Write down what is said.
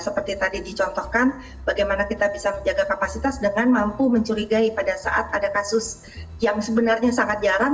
seperti tadi dicontohkan bagaimana kita bisa menjaga kapasitas dengan mampu mencurigai pada saat ada kasus yang sebenarnya sangat jarang